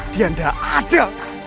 dia tidak ada